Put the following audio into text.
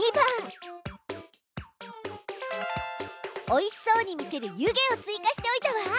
おいしそうに見せる「湯気」を追加しておいたわ。